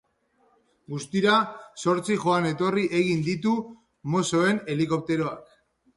Guztira, zortzi joan-etorri egin ditu mossoen helikopteroak.